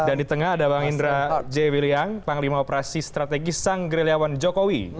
dan di tengah ada bang indra j wiliang panglima operasi strategis sang gerilyawan jokowi